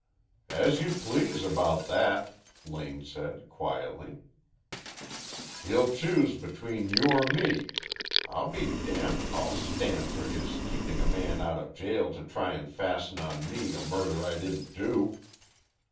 "As you please about that," Lane said quietly. "He'll choose between you or me. I'll be damned if I'll stand for his keeping a man out of jail to try and fasten on me a murder I didn't do."